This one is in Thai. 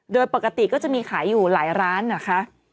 โดยปกติก็จะมีขายอยู่หลายร้านเหรอคะ